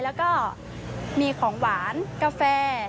แล้วก็มีของหวานกาแฟ